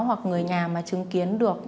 hoặc người nhà mà chứng kiến được